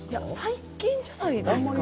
最近じゃないですか？